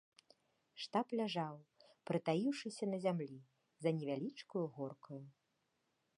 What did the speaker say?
Штаб ляжаў, прытаіўшыся на зямлі, за невялічкаю горкаю.